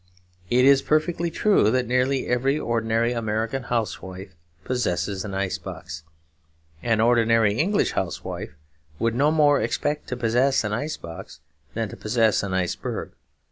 It is perfectly true that nearly every ordinary American housewife possesses an ice box. An ordinary English housewife would no more expect to possess an ice box than to possess an iceberg.